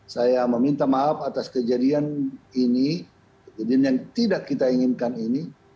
saya meminta maaf atas kejadian ini kejadian yang tidak kita inginkan ini